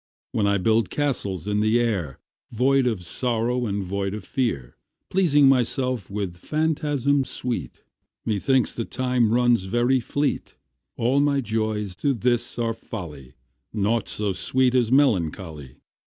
When I build castles in the air, Void of sorrow and void of fear, Pleasing myself with phantasms sweet, Methinks the time runs very fleet. All my joys to this are folly, Naught so sweet as melancholy.